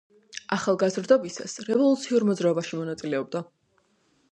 ახალგაზრდობისას რევოლუციურ მოძრაობაში მონაწილეობდა.